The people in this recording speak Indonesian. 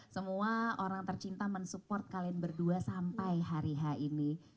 semua orang tercinta mensupport kalian berdua sampai hari ini